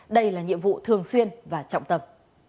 đây là nhiệm vụ thường xuyên và trọng tập